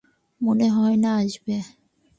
মনে হয় না আসবে।